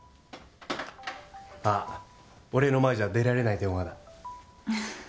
あ、俺の前じゃ出られない電話だ。